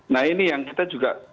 nah ini yang kita juga